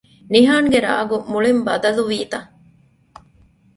ނިހާންގެ ރާގު މުޅިން ބަދަލުވީތަ؟